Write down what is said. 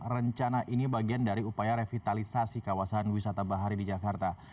rencana ini bagian dari upaya revitalisasi kawasan wisata bahari di jakarta